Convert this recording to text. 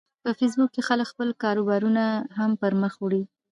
په فېسبوک کې خلک خپل کاروبارونه هم پرمخ وړي